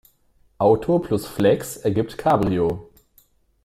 Auto plus Flex ergibt Cabrio.